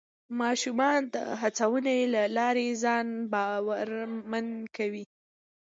ماشومان د هڅونې له لارې ځان باورمن کوي